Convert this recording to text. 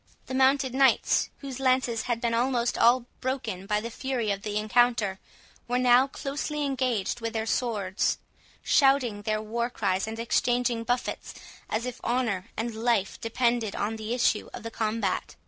The mounted knights, whose lances had been almost all broken by the fury of the encounter, were now closely engaged with their swords, shouting their war cries, and exchanging buffets, as if honour and life depended on the issue of the combat.